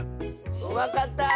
わかった！